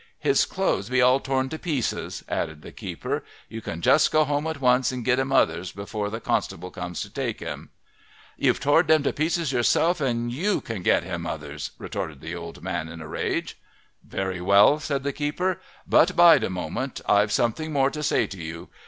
"His clothes be all torn to pieces," added the keeper. "You can just go home at once and git him others before the constable comes to take him." "You've tored them to pieces yourself and you can git him others," retorted the old man in a rage. "Very well," said the keeper. "But bide a moment I've something more to say to you.